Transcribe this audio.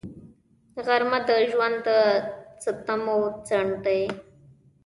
غرمه د ژوند د ستمو ځنډ دی